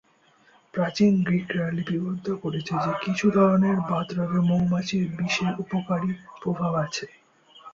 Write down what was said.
প্রাচীন গ্রীকরা লিপিবদ্ধ করেছে যে কিছু ধরনের বাত রোগে মৌমাছির বিষের উপকারী প্রভাব আছে।